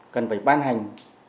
cần phải ban hành